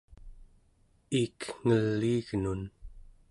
iik ngeliignun